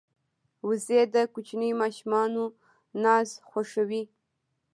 وزې د کوچنیو ماشومانو ناز خوښوي